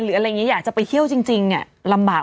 หรืออะไรอย่างเงี้ยอยากจะไปเที่ยวจริงจริงอ่ะลำบาก